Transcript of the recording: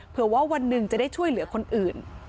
เผื่อว่าวันหนึ่งจะได้ช่วยเหลือคนอื่น